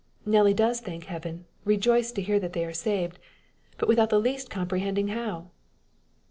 Nelly does thank Heaven, rejoiced to hear they are saved but without in the least comprehending how!